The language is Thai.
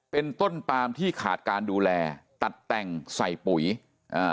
เป็นต้นปามที่ขาดการดูแลตัดแต่งใส่ปุ๋ยอ่า